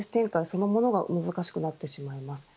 そのものが難しくなってしまいます。